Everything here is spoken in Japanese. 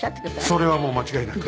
それはもう間違いなく。